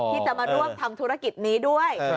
ที่จะมาร่วมทำธุรกิจนี้ด้วย